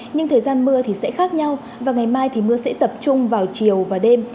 nhưng thời gian mưa thì sẽ khác nhau và ngày mai thì mưa sẽ tập trung vào chiều và đêm